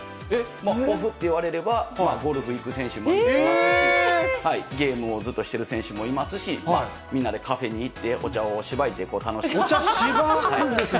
オフっていわれれば、ゴルフ行く選手もいますし、ゲームをずっとしている選手もいますし、みんなでカフェに行って、お茶をしばいお茶しばくんですね。